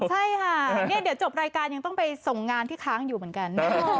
ใช่ค่ะเดี๋ยวจบรายการยังต้องไปส่งงานที่ค้างอยู่เหมือนกัน